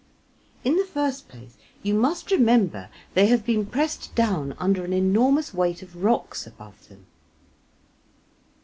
In the first place you must remember they have been pressed down under an enormous weight of rocks above them.